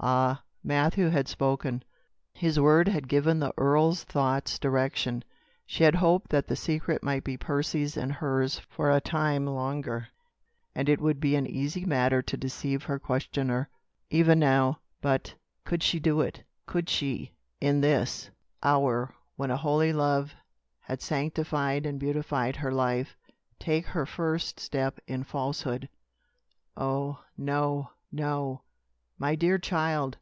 Ah! Matthew had spoken. His word had given the earl's thoughts direction. She had hoped that the secret might be Percy's and hers for a time longer; and it would be an easy matter to deceive her questioner, even now. But, could she do it? Could she, in this hour, when a holy love had sanctified and beautified her life, take her first step in falsehood? Oh, no! no! "My dear child!